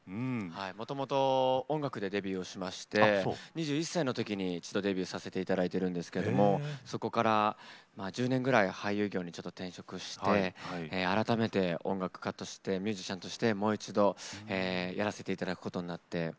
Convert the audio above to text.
もともと音楽でデビューをしまして２１歳の時に一度デビューさせていただいてるんですけどもそこから１０年ぐらい俳優業に転職して改めて音楽家としてミュージシャンとしてもう一度やらせていただくことになって。